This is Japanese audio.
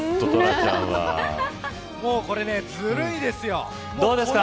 これずるいですよ。